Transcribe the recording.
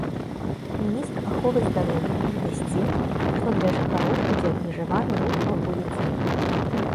Міністр аховы здароўя абвясціў, што для жыхароў будзе абмежаваны рух па вуліцах.